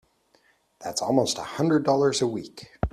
That's almost a hundred dollars a week!